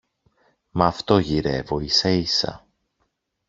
Μα αυτό γυρεύω ίσα-ίσα